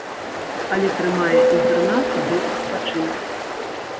Але трымае інтэрнат ды адпачынак.